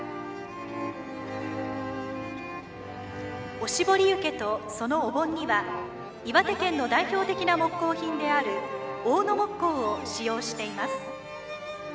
おしぼり受けとそのお盆には岩手県の代表的な木工品である大野木工を使用しています。